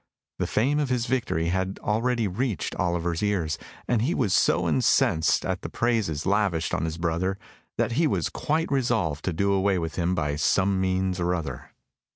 The fame of his victory had already reached Oliver's ears, and he was so incensed at the praises lavished on his brother that he was quite resolved to do away with him by some means or other.